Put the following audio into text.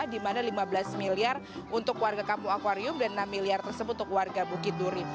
di mana lima belas miliar untuk warga kampung akwarium dan enam miliar tersebut untuk warga bukit duri